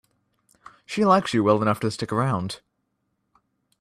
She likes you well enough to stick around.